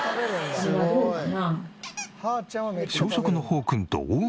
すごいな。